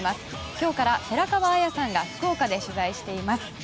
今日から寺川綾さんが福岡で取材しています。